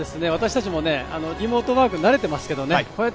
私たちもリモートワークに慣れてますけどね